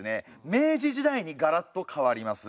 明治時代にがらっと変わります。